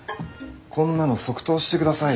こんなの即答してください。